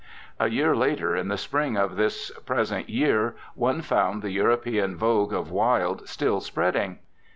A year later, in the spring of this pres ent year, one found the European vogue of Wilde still spreading.